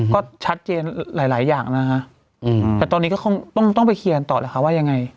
ก็ชัดเจนหลายอย่างนะฮะแต่ตอนนี้ก็คงต้องไปเคลียร์กันต่อแล้วค่ะว่ายังไง